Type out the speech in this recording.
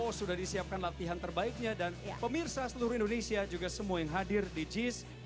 oh sudah disiapkan latihan terbaiknya dan pemirsa seluruh indonesia juga semua yang hadir di jis